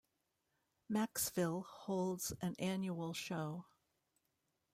Macksville holds an annual show.